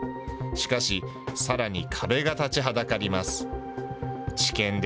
しかし、さらに壁が立ちはだかります。